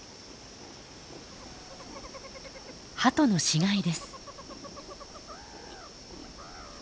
ハトの死骸です。